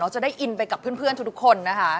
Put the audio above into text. จะได้อินไปกับเพื่อนทุกคนนะคะ